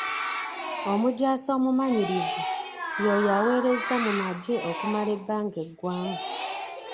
Omujaasi omumanyirivu y'oyo aweerezza mu magye okumala ebbanga eggwanvu.